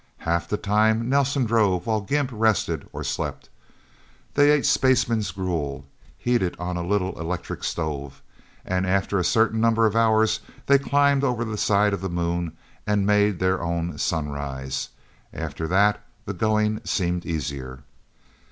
Half the time, Nelsen drove, while Gimp rested or slept. They ate spaceman's gruel, heated on a little electric stove. And after a certain number of hours, they climbed over the side of the Moon, and made their own sunrise. After that, the going seemed easier.